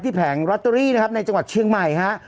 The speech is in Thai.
แผงลอตเตอรี่นะครับในจังหวัดเชียงใหม่ฮะ